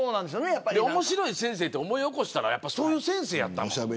面白い先生って思い起こしたらそういう先生やったもん。